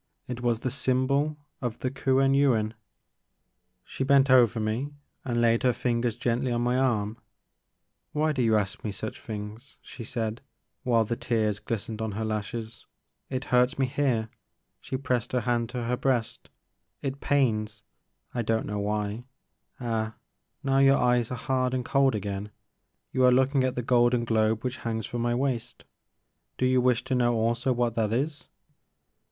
It was the symbol of the Kuen Yuin. She bent over me and laid her fingers gently on my arm. Why do you ask me such things ?'' she said, while the tears glistened on her lashes. It hurts me here, —" she pressed her hand to her breast, — "it pains. — I don*t know why. Ah, now your eyes are hard and cold again ; you are looking at the golden globe which hangs from my waist. Do you wish to know also what that is?"